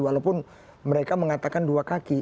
walaupun mereka mengatakan dua kaki